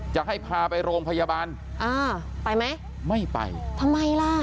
จะให้พาไปโรงพยาบาลอ่าไปไหมไม่ไปทำไมล่ะ